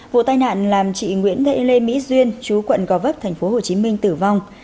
vụ tai nạn làm chị nguyễn thị lê mỹ duyên chú quận gò vấp tp hcm tử vong